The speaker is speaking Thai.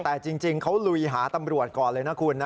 แต่จริงเขาลุยหาตำรวจก่อนเลยนะคุณนะ